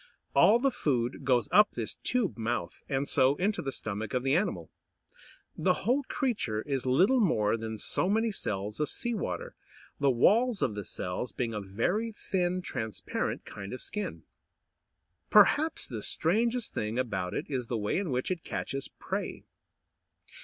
All the food goes up this tube mouth, and so into the stomach of the animal. The whole creature is little more than so many cells of sea water, the walls of the cells being a very thin, transparent kind of skin. Perhaps the strangest thing about it is the way in which it catches prey.